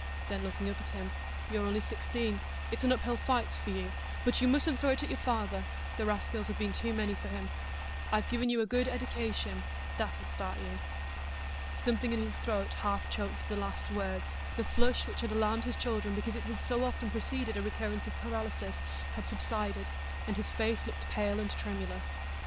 Then looking up at him, "You're only sixteen; it's an up hill fight for you, but you mustn't throw it at your father; the raskills have been too many for him. I've given you a good eddication,—that'll start you." Something in his throat half choked the last words; the flush, which had alarmed his children because it had so often preceded a recurrence of paralysis, had subsided, and his face looked pale and tremulous.